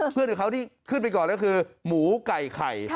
เพื่อนของเขาที่ขึ้นไปก่อนแล้วคือหมูไก่ไข่